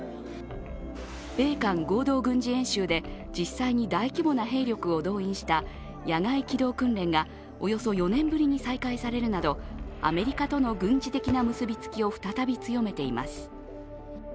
米韓合同軍事演習で実際に大規模な兵力を動員した野外機動訓練がおよそ４年ぶりに再開されるなどアメリカとの軍事的な結びつきを再び強めています。